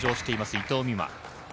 伊藤美誠。